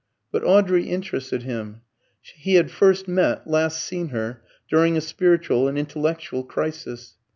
But Audrey interested him. He had first met, last seen her, during a spiritual and intellectual crisis.